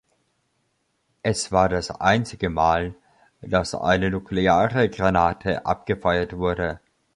Es war das einzige Mal, dass eine nukleare Granate abgefeuert wurde.